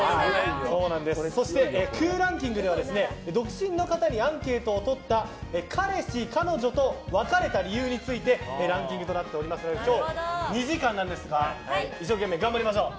そして、空欄キングでは独身の方にアンケートをとった彼氏・彼女と別れた理由についてランキングとなっておりますので今日、２時間なんですが一生懸命頑張りましょう！